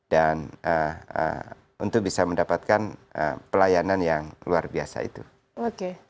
dan ini sebagian dari cara kerja luar biasa harapannya masyarakat menjadi terlayani